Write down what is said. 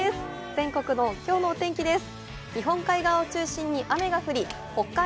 全国のきょうのお天気です。